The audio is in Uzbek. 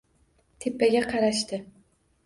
Tepaga qarashdi.